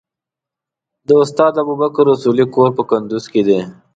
د استاد ابوبکر اصولي کور په کندوز کې دی.